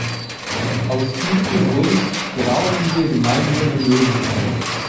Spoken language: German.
Aus diesem Grund brauchen wir gemeinsame Lösungen.